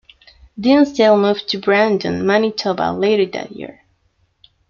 Dinsdale moved to Brandon, Manitoba later that year.